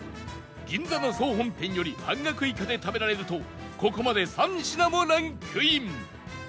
銀座の総本店より半額以下で食べられるとここまで３品もランクイン